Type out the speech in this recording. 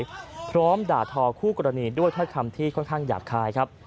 จนเสียหายพร้อมด่าทอคู่กรณีด้วยค่อยค่ำที่ค่อนข้างหยาดคลายครับ